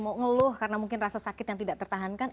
mau ngeluh karena mungkin rasa sakit yang tidak tertahankan